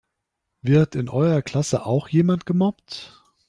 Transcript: Wird in eurer Klasse auch jemand gemobbt?